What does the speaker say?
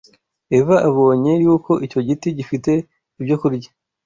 Eva “abonye yuko icyo giti gifite ibyokurya